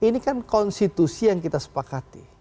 ini kan konstitusi yang kita sepakati